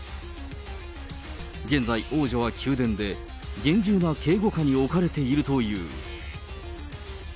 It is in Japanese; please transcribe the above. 現在、王女は宮殿で、厳重な警護下に置かれているという。